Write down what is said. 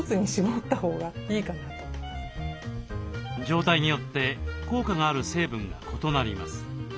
状態によって効果がある成分が異なります。